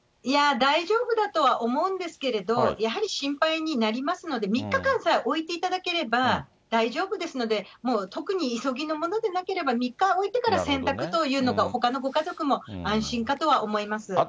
大丈夫だとは思うんですけれど、やはり心配になりますので、３日間さえおいていただければ、大丈夫ですので、特に急ぎのものでなければ、３日置いてから洗濯というのがほかのご家族も安心かとは思います。